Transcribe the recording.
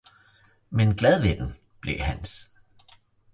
Men glad ved den blev Hans.